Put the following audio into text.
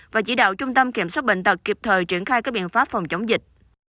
và chỉ đạo trung tâm kiểm soát bệnh tật kịp thời triển khai các biện pháp phòng chống dịch